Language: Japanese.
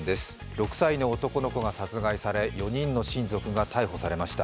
６歳の男の子が殺害され４人の親族が逮捕されました。